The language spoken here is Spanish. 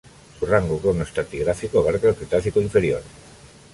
Su rango cronoestratigráfico abarca el Cretácico inferior.